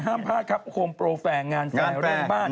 ห้ามพลาดครับโฮมโปรแฟร์งานสายแรงบ้าน